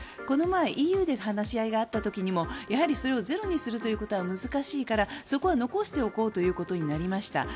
この前、ＥＵで話し合いがあった時にもそれをゼロにすることは難しいからそこは残しておこうということになりました。